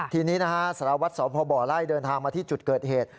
ทีนี้นะฮะสารวัตรสพบไล่เดินทางมาที่จุดเกิดเหตุ